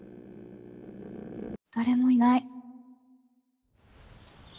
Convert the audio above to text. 誰もいない。